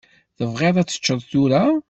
Tebɣiḍ ad teččeḍ tura?